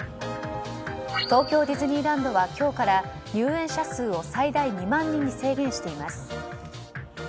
東京ディズニーランドは今日から入園者数を最大２万人に制限しています。